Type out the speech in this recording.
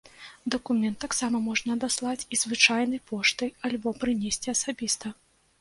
Дакумент таксама можна адаслаць і звычайнай поштай альбо прынесці асабіста.